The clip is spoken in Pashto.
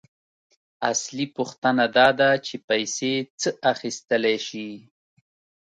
اصلي پوښتنه داده چې پیسې څه اخیستلی شي